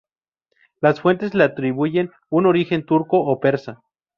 Las fuentes le atribuyen un origen turco o persa.